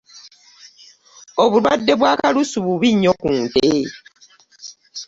Obulwadde bwa kalusu bubi nnyo ku nte.